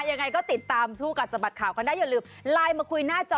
ยังไงก็ติดตามคู่กัดสะบัดข่าวกันได้อย่าลืมไลน์มาคุยหน้าจอ